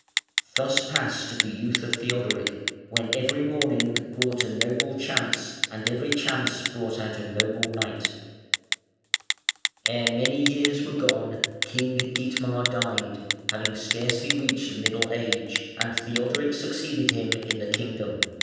Thus passed the youth of Theodoric "When every morning brought a noble chance. And every chance brought out a noble knight". Ere many years were gone King Dietmar died, having scarcely reached middle age, and Theodoric succeeded him in the kingdom.